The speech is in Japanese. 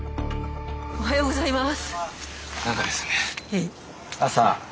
おはようございます。